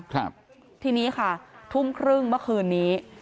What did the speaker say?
ครับทีนี้ค่ะทุ่มครึ่งเมื่อคืนนี้